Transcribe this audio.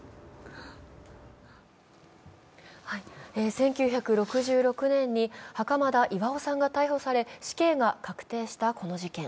１９６６年に袴田巖さんが逮捕され、死刑が確定したこの事件。